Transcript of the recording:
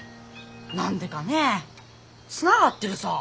何でかねえつながってるさー！